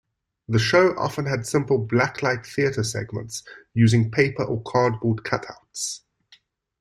The show often had simple black light theatre segments using paper or cardboard cutouts.